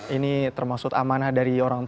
cuman ini termasuk amanah dari orang lain